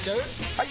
・はい！